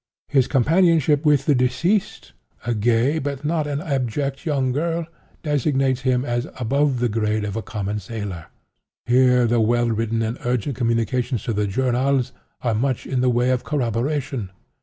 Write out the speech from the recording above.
His companionship with the deceased, a gay, but not an abject young girl, designates him as above the grade of the common sailor. Here the well written and urgent communications to the journals are much in the way of corroboration.